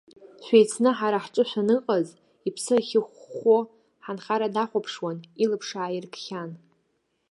Шәеицны ҳара ҳҿы шәаныҟаз, иԥсы ахьыхәхәо, ҳанхара дахәаԥшуан, илаԥш аиркхьан.